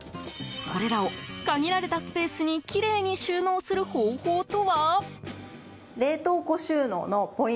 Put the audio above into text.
これらを限られたスペースにきれいに収納する方法とは？